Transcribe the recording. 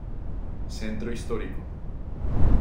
Centro Histórico.